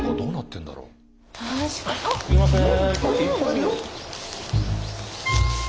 すいません。